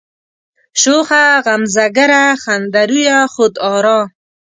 شوخه غمزه گره، خنده رویه، خود آرا